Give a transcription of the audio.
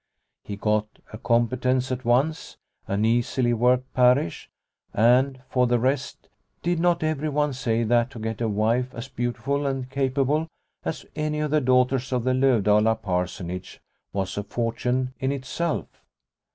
He got a competence at once, an easily worked parish, and, for the rest, did not everyone say that to get a wife as beautiful and capable as any of the daughters of the Lovdala Parsonage was a fortune in itself